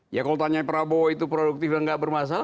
ya kalau tanya prabowo itu produktif dan nggak bermasalah